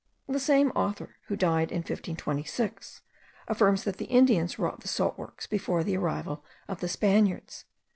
The same author, who died in 1526, affirms that the Indians wrought the salt works before the arrival of the Spaniards.